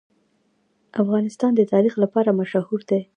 افغانستان د تاریخ لپاره مشهور دی.